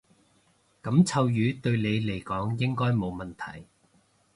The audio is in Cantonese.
噉臭魚對你嚟講應該冇問題